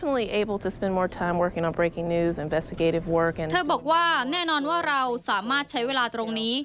เธอบอกว่าแน่นอนว่าเราสามารถใช้เวลาตรงนี้